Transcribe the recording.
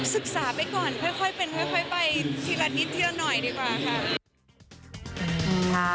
ศึกษาไปก่อนค่อยไปทีละนิดเดียวหน่อยดีกว่าค่ะ